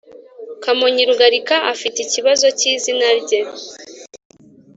Kamonyi Rugarika Afite ikibazo cy izina rye